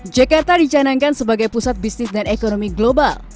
jakarta dicanangkan sebagai pusat bisnis dan ekonomi global